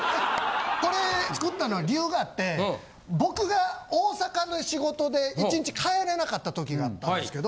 これ作ったのは理由があって僕が大阪の仕事で１日帰れなかった時があったんですけど。